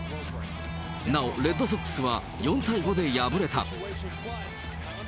なお、レッドソックスは４対５で敗れた。